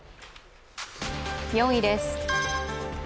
４位です。